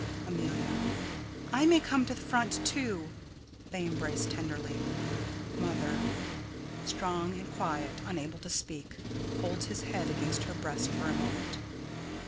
Amelia: I may come to the front, too. [They embrace tenderly.] Mother: [_Strong and quiet, unable to speak, holds his head against her breast for a moment.